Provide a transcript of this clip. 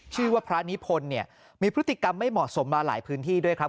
ชื่อว่าพระนิพนธ์เนี่ยมีพฤติกรรมไม่เหมาะสมมาหลายพื้นที่ด้วยครับ